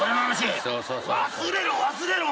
忘れろ忘れろ。